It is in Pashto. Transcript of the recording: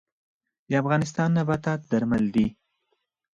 د افغانستان نباتات درمل دي